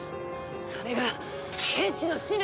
それが剣士の使命！